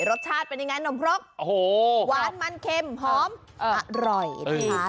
รสชาติเป็นยังไงนมครกหวานมันเค็มหอมอร่อยนะคะ